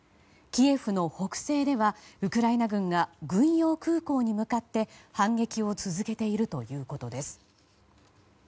キエフの北西ではウクライナ軍が軍用空港に向かって反撃を続けているということです。